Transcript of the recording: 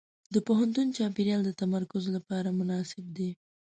د پوهنتون چاپېریال د تمرکز لپاره مناسب دی.